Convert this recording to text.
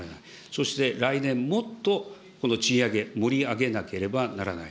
そして来年もっとこの賃上げ、盛り上げなければならない。